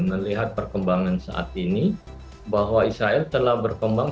melihat perkembangan saat ini bahwa israel telah berkembang